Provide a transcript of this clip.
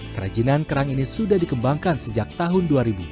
kerajinan kerang ini sudah dikembangkan sejak tahun dua ribu